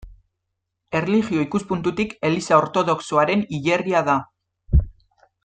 Erlijio ikuspuntutik Eliza Ortodoxoaren hilerria da.